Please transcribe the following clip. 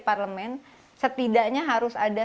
parlemen setidaknya harus ada